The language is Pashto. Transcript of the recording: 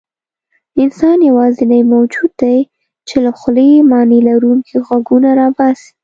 انسان یواځینی موجود دی، چې له خولې معنیلرونکي غږونه راباسي.